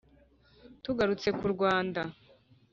tugarutse ku rwanda,